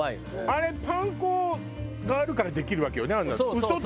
あれパン粉があるからできるわけよね。